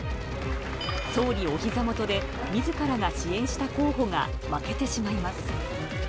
総理おひざ元で、みずからが支援した候補が負けてしまいます。